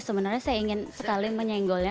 sebenarnya saya ingin sekali menyenggolnya